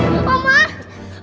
soalnya dicari antarmu